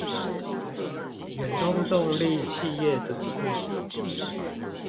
遠東動力企業總部